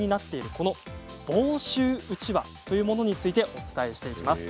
この房州うちわというものについてお伝えしていきます。